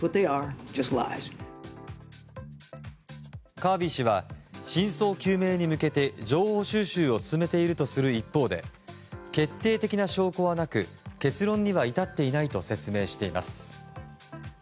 カービー氏は真相究明に向けて情報収集を進めているとする一方で決定的な証拠はなく結論には至っていないと説明しています。